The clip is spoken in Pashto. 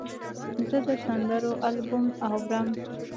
زه د سندرو البوم اورم.